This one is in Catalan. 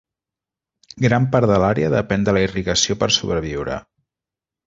Gran part de l'àrea depèn de la irrigació per sobreviure.